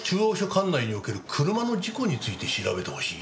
管内における車の事故について調べてほしい？